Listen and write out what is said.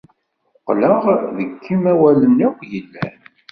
Muqleɣ deg imawalen akk yellan.